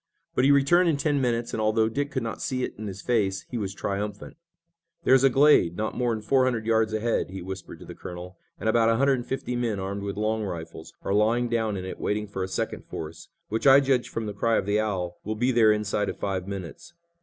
But he returned in ten minutes, and, although Dick could not see it in his face, he was triumphant. "There's a glade not more'n four hundred yards ahead," he whispered to the colonel, "and about a hundred and fifty men, armed with long rifles, are lying down in it waiting for a second force, which I judge from the cry of the owl will be there inside of five minutes."